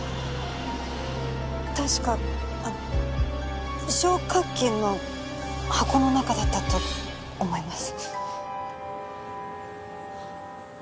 たしかあ消火器の箱の中だったと思います。